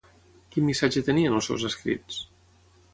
Quin missatge tenien els seus escrits?